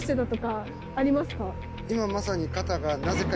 今まさに。